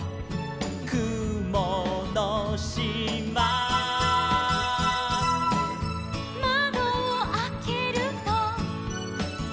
「くものしま」「まどをあけると」